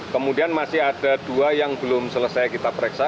kemudian masih ada dua yang belum selesai kita periksa